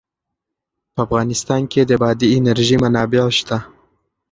په افغانستان کې د بادي انرژي منابع شته.